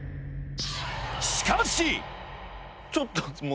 しかし！